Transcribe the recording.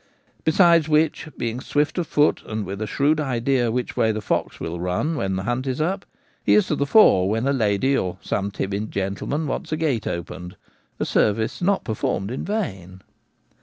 Besides which, being swift of foot, and with a shrewd idea which way the fox will run when the hunt is up, he is to the fore when a lady or some timid gentleman wants a gate opened — a service not performed in vain.